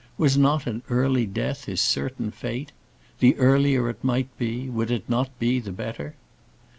Was not an early death his certain fate? The earlier it might be, would it not be the better?